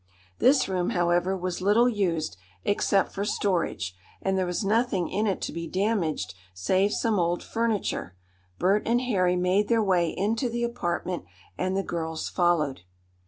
This room, however, was little used, except for storage, and there was nothing in it to be damaged save some old furniture. Bert and Harry made their way into the apartment, and the girls followed.